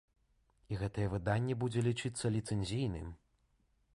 І гэтае выданне будзе лічыцца ліцэнзійным.